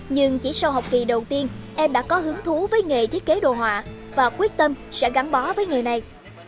nhưng chỉ sau học kỳ đầu tiên em đã có hứng thú với nghề thiết kế đồ họa và quyết tâm sẽ gắn bó với nghề này